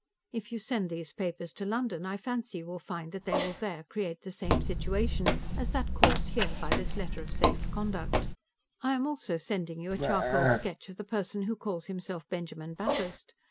If you send these papers to London, I fancy you will find that they will there create the same situation as that caused here by this letter of safe conduct. I am also sending you a charcoal sketch of the person who calls himself Benjamin Bathurst.